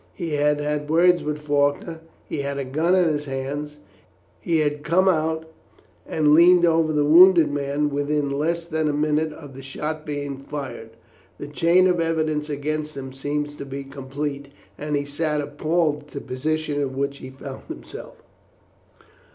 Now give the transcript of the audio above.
He had had words with Faulkner; he had had a gun in his hands; he had come out and leaned over the wounded man within less than a minute of the shot being fired. The chain of evidence against him seemed to be complete, and he sat appalled at the position in which he found himself.